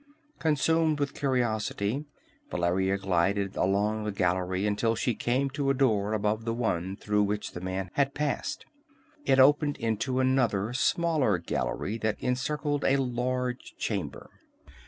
Consumed with curiosity, Valeria glided along the gallery until she came to a door above the one through which the man had passed. It opened into another, smaller gallery that encircled a large chamber.